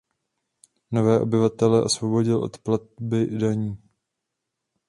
Nové obyvatele osvobodil od platby daní.